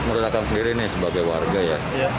menurut akan sendiri nih sebagai warga ya